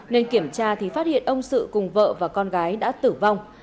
nên kiểm tra thì phát hiện ông sự cùng vợ và con gái đã tử vong